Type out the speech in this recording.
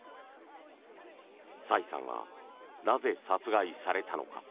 サイさんはなぜ殺害されたのか。